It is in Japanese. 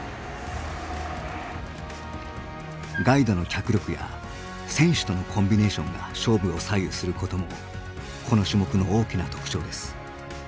ガイドの脚力や選手とのコンビネーションが勝負を左右することもこの種目の大きな特徴です。